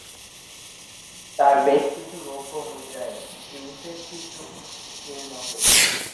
তাঁর বেশ কিছু রৌপ্য মুদ্রায় জিউসের চিত্র উৎকীর্ণ রয়েছে।